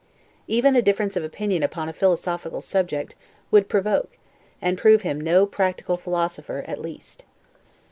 Even a difference of opinion upon a philosophical subject would provoke, and prove him no practical philosopher at least.